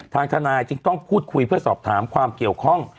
ทางทนายจึงต้องพูดคุยเพื่อสอบถามความเกี่ยวข้อง